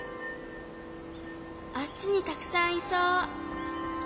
あっちにたくさんいそう。